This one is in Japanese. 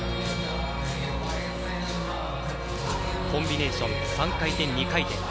コンビネーション、３回転２回転。